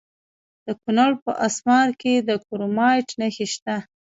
د کونړ په اسمار کې د کرومایټ نښې شته.